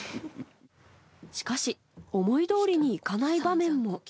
しかし、思いどおりにいかない場面も。